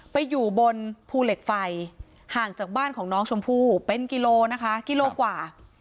ไปอยู่บนภูเหล็กไฟห่างจากบ้านของน้องชมพู่เป็นกิโลนะคะกิโลกว่า